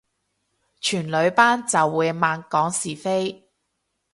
全女班就會猛講是非